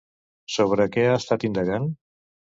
Sobre què ha estat indagant?